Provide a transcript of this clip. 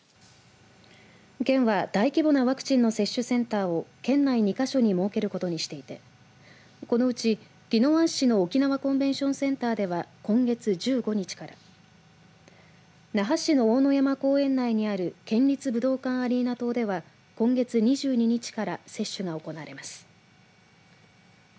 県は、大規模なワクチンの接種センターを県内２か所に設けることにしていてこのうち、宜野湾市の沖縄コンベンションセンターでは今月１５日から那覇市の奥武山公園内にある県立武道館アリーナ棟では今月２２日から接種が行われます。